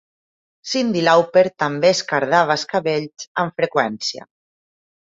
Cyndi Lauper també es "cardava" els cabells amb freqüència.